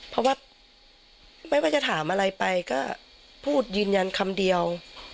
เพราะว่าไม่ว่าจะถามอะไรไปก็พูดยืนยันคำเดียว